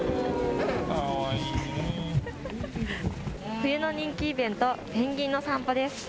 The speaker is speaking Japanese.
冬の人気イベント、ペンギンの散歩です。